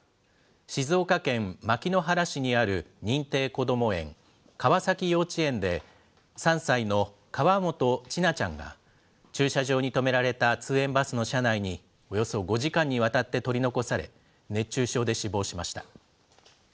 静岡県牧之原市にある認定こども園川崎幼稚園で、３歳の河本千奈ちゃんが駐車場に止められた通園バスの車内におよそ５時間にわたって取り残され、熱中症で死亡しました。